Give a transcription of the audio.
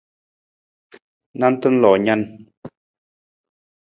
Nanta loo nan.